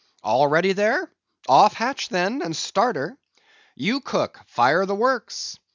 "All ready there? Off hatch, then, and start her. You cook, fire the works."